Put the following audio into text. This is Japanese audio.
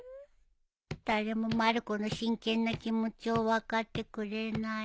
誰もまる子の真剣な気持ちを分かってくれない。